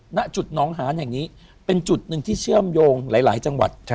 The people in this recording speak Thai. ณจุดน้องหานแห่งนี้เป็นจุดหนึ่งที่เชื่อมโยงหลายจังหวัด